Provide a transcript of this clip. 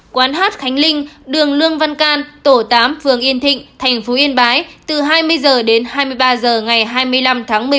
quán hát khánh linh đường lương văn can tổ tám phường yên thịnh thành phố yên bái từ hai mươi h đến hai mươi ba h ngày hai mươi năm tháng một mươi một